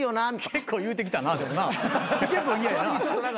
結構言うてきたな結構嫌やな。